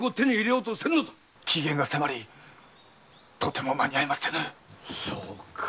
期限が迫りとても間に合いませぬ。